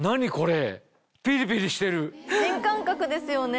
新感覚ですよね。